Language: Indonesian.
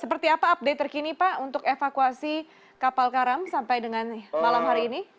seperti apa update terkini pak untuk evakuasi kapal karam sampai dengan malam hari ini